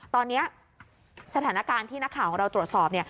ตอนนี้สถานการณ์ที่นักข่าวของเราตรวจสอบ